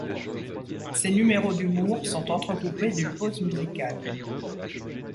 Ces numéros d'humour sont entrecoupés d'une pause musicale.